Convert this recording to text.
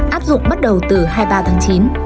áp dụng bắt đầu từ hai mươi ba tháng chín